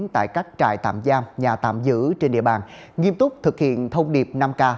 tại các trại tạm giam nhà tạm giữ trên địa bàn nghiêm túc thực hiện thông điệp năm k